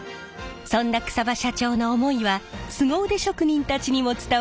そんな草場社長の思いはスゴ腕職人たちにも伝わりました。